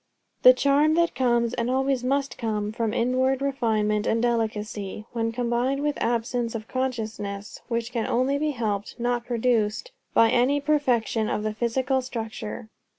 The charm that comes, and always must come, from inward refinement and delicacy, when combined with absence of consciousness; and which can only be helped, not produced, by any perfection of the physical structure.